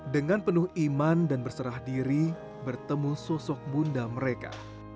dengan penuh iman dan berserah diri bertemu sosok bunda mereka